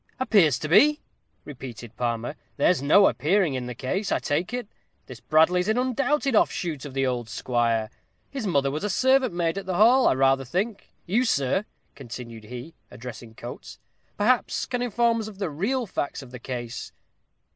"Appears to be!" repeated Palmer; "there's no appearing in the case, I take it. This Bradley's an undoubted offshoot of the old squire. His mother was a servant maid at the hall, I rather think. You sir," continued he, addressing Coates, "perhaps, can inform us of the real facts of the case."